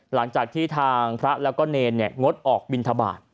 หลังจากที่ทางพระแล้วก็เนรงดออกบินทบาท